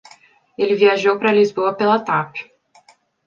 Ele viajou pra Lisboa pela Tap.